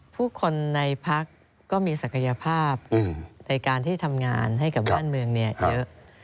ผู้คนในพักก็มีศักยภาพในการที่ทำงานให้กับบ้านเมืองเยอะ